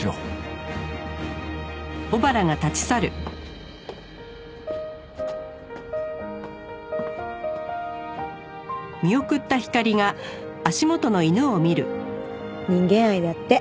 フフ人間愛だって。